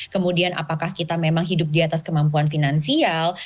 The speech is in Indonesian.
kemudian apakah kita memang hidup di atas kemampuan finansial